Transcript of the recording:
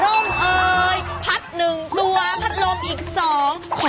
ร่งเอาพัดหนึ่งตัวพัดร่มอีกสอง